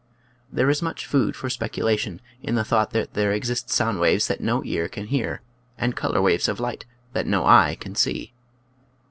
There is much food for speculation in the thought that there exist sound waves that no ear can hear and color waves of light that no eye can see.